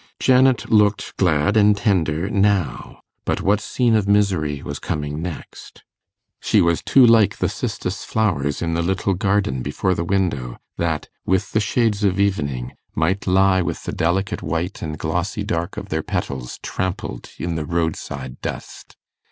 Janet looked glad and tender now but what scene of misery was coming next? She was too like the cistus flowers in the little garden before the window, that, with the shades of evening, might lie with the delicate white and glossy dark of their petals trampled in the roadside dust.